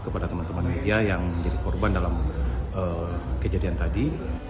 kepada teman teman media yang menjadi korban dalam kejadian tadi